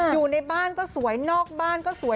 อยู่ในบ้านก็สวยนอกบ้านก็สวย